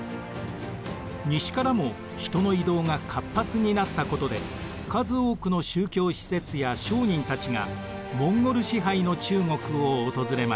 西からも人の移動が活発になったことで数多くの宗教使節や商人たちがモンゴル支配の中国を訪れました。